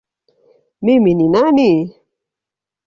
Mimi ni nani?